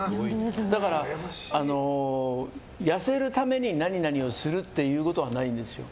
だから、痩せるために何々をするということはないんですよ。